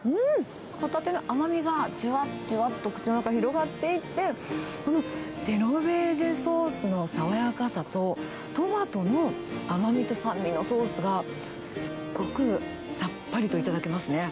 ホタテの甘みがじゅわっ、じゅわっと口の中に広がっていって、ジェノベーゼソースの爽やかさと、トマトの甘みと酸味のソースが、すっごくさっぱりと頂けますね。